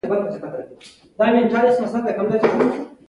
د کان مرستیال کروچکوف ډګروال ته راغی